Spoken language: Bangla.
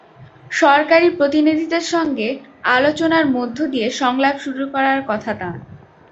সরকারি প্রতিনিধিদের সঙ্গে আলোচনার মধ্য দিয়ে সংলাপ শুরু করার কথা তাঁর।